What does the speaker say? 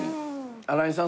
新井さん